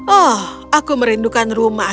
oh aku merindukan rumah